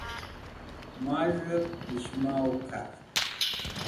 Maz̃hey Pishmaw kart